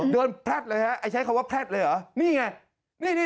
เดินแพล็ดเลยใช้คำว่าแพล็ดเลยเหรอนี่ไง